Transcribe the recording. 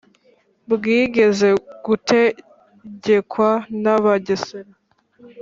bwigeze gutegekwa n'abagesera.